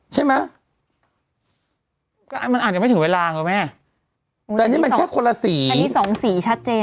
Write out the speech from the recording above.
ใช่ไหมก็มันอาจจะไม่ถึงเวลาไงแม่แต่นี่มันแค่คนละสีอันนี้สองสีชัดเจน